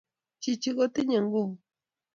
Chi chi kotinye nguvu